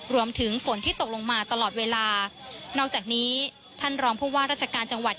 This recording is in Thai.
ฝนที่ตกลงมาตลอดเวลานอกจากนี้ท่านรองผู้ว่าราชการจังหวัด